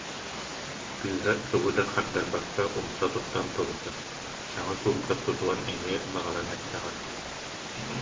Кыыһа тугу да хардарбакка умса туттан турда, саҥа суумка тутуон эмиэ баҕаран эрдэҕэ